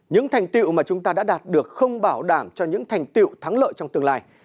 những thành tiệu mà chúng ta đã đạt được không bảo đảm cho những thành tiệu thắng lợi trong tương lai